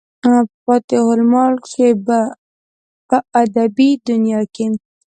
فاتح الملک، چې پۀ ادبي دنيا کښې